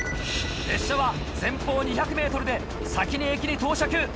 列車は前方２００ｍで先に駅に到着。